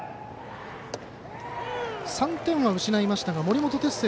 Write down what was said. ３点は失いましたが、森本哲星